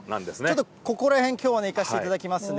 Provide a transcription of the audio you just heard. ちょっとここら辺、きょうはいかせていただきますね。